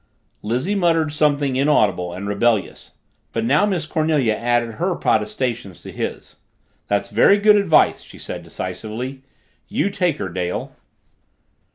Lizzie muttered something inaudible and rebellious, but now Miss Cornelia added her protestations to his. "That's very good advice," she said decisively. "You take her, Dale."